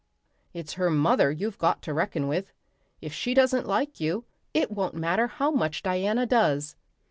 It's her mother you've got to reckon with. If she doesn't like you it won't matter how much Diana does.